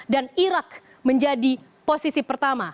dan irak menjadi posisi pertama